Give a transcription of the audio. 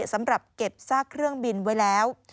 สำหรับเก็บซากเครื่องบินไว้แล้ว